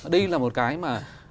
đây là một cái mà